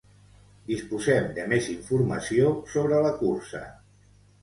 Disposem de més informació sobre la cursa.